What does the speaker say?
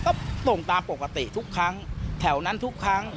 ก็ส่งตามปกติทุกครั้งแถวนั้นทุกครั้ง